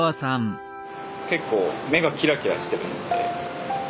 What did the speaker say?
結構目がきらきらしてるので。